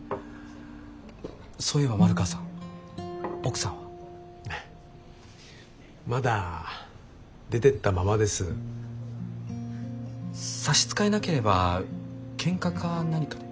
そういえば丸川さん奥さんは？まだ出てったままです。差し支えなければけんかか何かで？